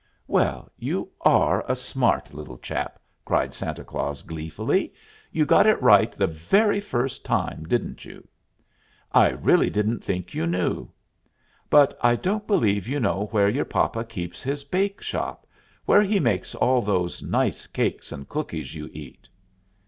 "Well, you are a smart little chap," cried Santa Claus gleefully. "You got it right the very first time, didn't you? I really didn't think you knew. But I don't believe you know where your papa keeps his bake shop, where he makes all those nice cakes and cookies you eat."